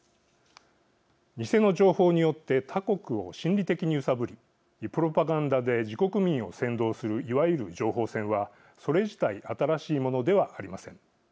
偽の情報によって他国を心理的に揺さぶりプロパガンダで自国民を扇動するいわゆる情報戦は、それ自体新しいものではありません。